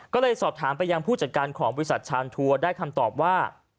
ก็เลยสอบถามไปยังผู้จัดการของบริษัทชานทัวร์ได้คำตอบว่า